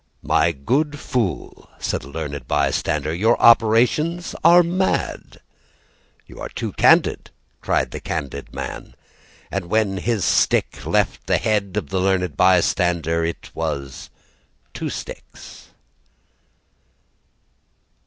"My good fool," said a learned bystander, "Your operations are mad." "You are too candid," cried the candid man. And when his stick left the head of the learned bystander It was two sticks.